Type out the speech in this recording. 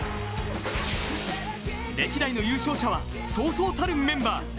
歴代の優勝者はそうそうたるメンバー。